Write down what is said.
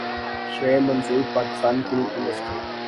Shoaib Mansoor Pakistani film industry